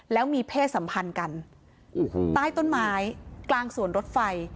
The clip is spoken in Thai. แล้วมีเพศสัมพันธ์กันต้นไม้กลางส่วนรถไฟ